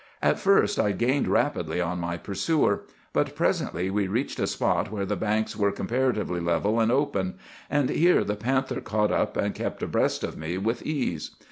At first I gained rapidly on my pursuer; but presently we reached a spot where the banks were comparatively level and open; and here the panther caught up and kept abreast of me with ease.